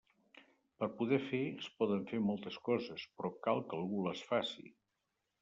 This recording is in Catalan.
Per poder fer, es poden fer moltes coses, però cal que algú les faci.